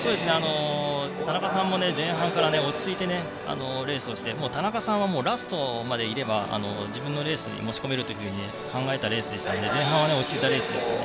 田中さんも前半から落ち着いてレースをして田中さんはラストまでいれば自分のレースに持ち込めると考えたレースでしたので前半は落ち着いたレースでした。